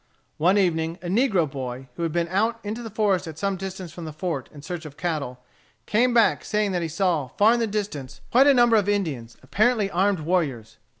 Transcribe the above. One evening, a negro boy, who had been out into the forest at some distance from the fort in search of cattle, came back saying that he saw far in the distance quite a number of Indians, apparently armed warriors.